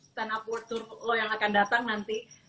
stand up world tour low yang akan datang nanti